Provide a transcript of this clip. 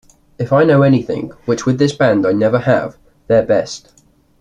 If I know anything, which with this band I never have, their best.